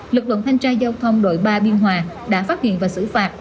lực lượng thanh tra giao thông đội ba biên hòa đã phát hiện và xử phạt